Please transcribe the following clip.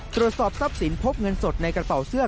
ตรวจสอบทรัพย์สินพบเงินสดในกระเป๋าเสื้อ